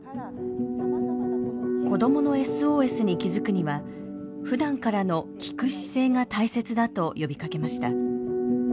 子どものＳＯＳに気付くにはふだんからの聴く姿勢が大切だと呼びかけました。